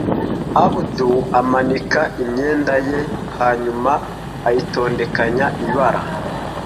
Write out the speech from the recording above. Abudul amanika imyenda ye, hanyuma ayitondekanya ibara.